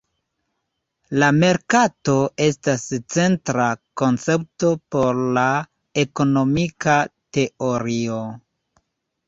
La merkato estas centra koncepto por la ekonomika teorio.